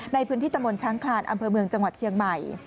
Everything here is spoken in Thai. ในพื้นที่ตะมนต์ช้างคลานอำเภอเมืองจังหวัดเชียงใหม่